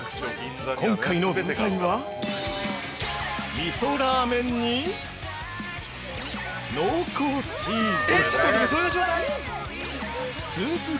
◆今回の舞台は、みそラーメンに、濃厚チーズ。